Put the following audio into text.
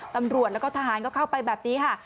ตำรวจแล้วก็ทหารก็เข้าไปแบบนี้ค่ะ